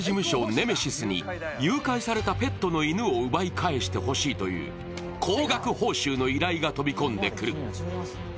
ネメシスに誘拐されたペットの犬を奪い返してほしいという高額報酬の依頼が飛び込んでくる。